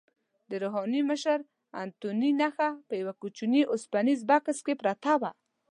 د روحاني مشر انتوني نخښه په یوه کوچني اوسپنیز بکس کې پرته وه.